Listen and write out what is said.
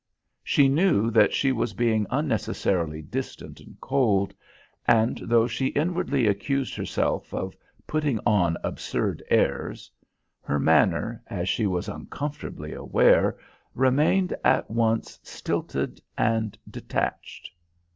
She knew that she was being unnecessarily distant and cold, and though she inwardly accused herself of "putting on absurd airs," her manner, as she was uncomfortably aware, remained at once stilted and detached.